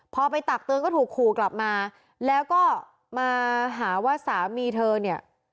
พอไปตักเตือนก็ถูกขู่กลับมาแล้วก็มาหาว่าสามีเธอเนี่ย